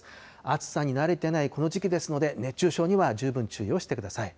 暑さに慣れてないこの時期ですので、熱中症には十分注意をしてください。